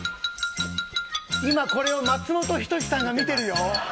今これを松本人志さんが見てるよ。